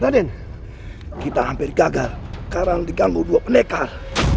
raden kita hampir gagal karang diganggu dua pendekar